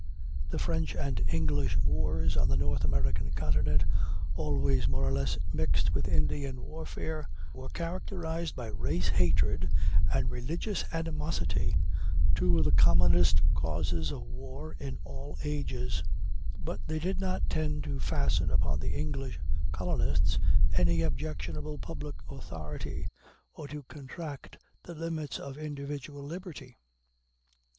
The French and English wars on the North American continent, always more or less mixed with Indian warfare, were characterized by race hatred and religious animosity two of the commonest causes of war in all ages; but they did not tend to fasten upon the English colonists any objectionable public authority, or to contract the limits of individual liberty.